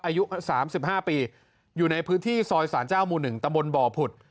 อายุสามสิบห้าปีอยู่ในพื้นที่ซอยสารเจ้ามูหนึ่งตะมนต์บ่อผุด